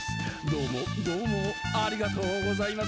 「どうもどうもありがとうございます」